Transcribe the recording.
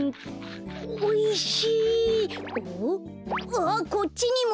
あっこっちにも！